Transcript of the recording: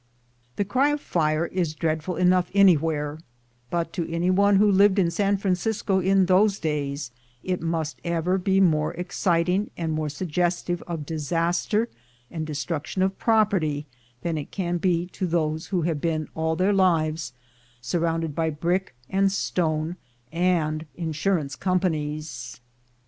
The cry of fire is dreadful enough anywhere, but to any one who lived in San Francisco in those days it must ever be more exciting and more suggestive of disaster and destruction of property than it can be LIFE AT HIGH SPEED 93 to those who have been all their lives surrounded by brick and stone, and insurance companies.